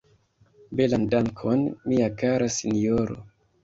Belan dankon, mia kara sinjoro!